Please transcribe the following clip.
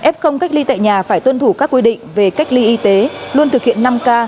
f cách ly tại nhà phải tuân thủ các quy định về cách ly y tế luôn thực hiện năm k